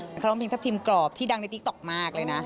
เป็นร้องเพลงทัพทิมกรอบที่ดังในติ๊กต๊อกมากเลยนะ